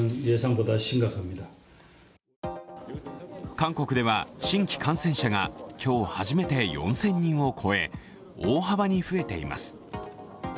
韓国では新規感染者が今日初めて４０００人を超え、大幅に増えています。